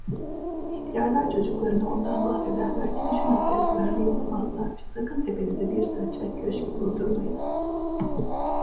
İhtiyarlar çocuklarına ondan bahsederlerken, şu nasihati vermeyi unutmazlarmış: "Sakın tepenize bir sırça köşk kurdurmayınız."